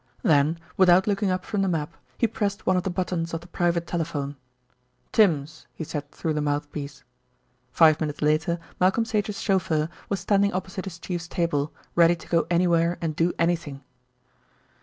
Then without looking up from the map, he pressed one of the buttons of the private telephone. "Tims," he said through the mouthpiece. Five minutes later Malcolm Sage's chauffeur was standing opposite his Chief's table, ready to go anywhere and do anything.